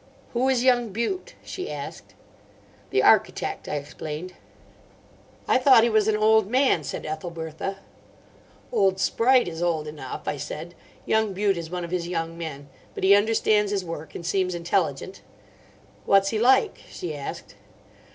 "Who is young Bute?" she asked. "The architect," I explained. "I thought he was an old man," said Ethelbertha. "Old Spreight is old enough," I said. "Young Bute is one of his young men; but he understands his work, and seems intelligent." "What's he like?" she asked.